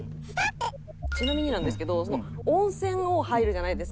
ちなみになんですけど温泉入るじゃないですか。